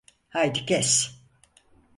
Haydi kes…